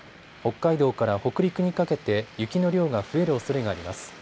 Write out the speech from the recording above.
北海道から北陸にかけて雪の量が増えるおそれがあります。